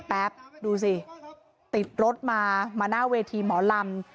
แป๊บดูสิติดรถมามาหน้าเวทีหมอลำ